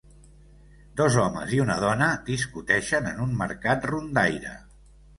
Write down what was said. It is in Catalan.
Dos homes i una dona discuteixen en un mercat rondaire.